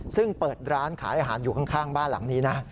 ซึ่งเปิดร้านขายอาหารอยู่ข้างบ้านหลังนี้นะ